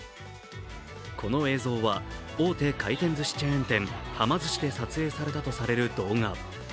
この映像は、大手回転ずしチェーン店、はま寿司で撮影されたとされる動画。